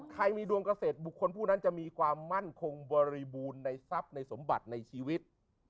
ใครมีดวงเกษตรบุคคลผู้นั้นจะมีความมั่นคงบริบูรณ์ในทรัพย์ในสมบัติในชีวิต